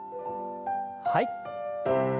はい。